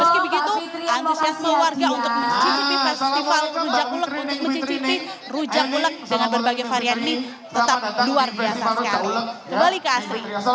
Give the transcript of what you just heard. meski begitu antusiasme warga untuk mencicipi festival rujak ulek untuk mencicipi rujak ulek dengan berbagai varian ini tetap luar biasa sekali ke asri